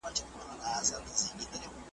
ګړی وروسته مرغه کښته سو له بامه .